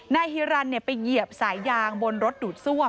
ฮิรันไปเหยียบสายยางบนรถดูดซ่วม